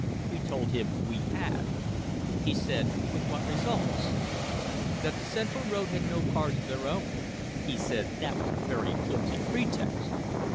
We told him we had. He said, with what results ? That the Central Road had no cars of their own. He said that was a very flimsy pretext.